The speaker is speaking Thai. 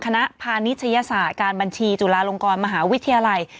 พาณิชยศาสตร์การบัญชีจุฬาลงกรมหาวิทยาลัย